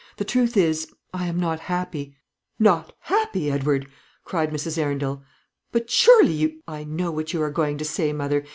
The truth is, I am not happy." "Not happy, Edward!" cried Mrs. Arundel; "but surely you ?" "I know what you are going to say, mother.